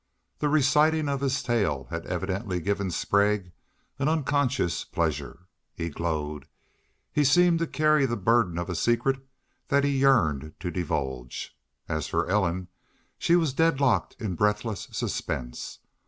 The reciting of this tale had evidently given Sprague an unconscious pleasure. He glowed. He seemed to carry the burden of a secret that he yearned to divulge. As for Ellen, she was deadlocked in breathless suspense.